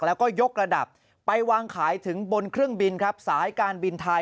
แล้วก็ยกระดับไปวางขายถึงบนเครื่องบินครับสายการบินไทย